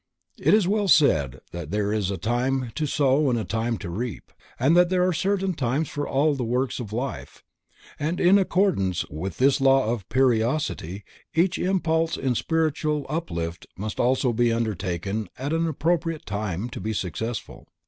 It is well said that there is a time to sow, and a time to reap, and that there are certain times for all the works of life, and in accordance with this law of periodicity each impulse in spiritual uplift must also be undertaken at an appropriate time to be successful.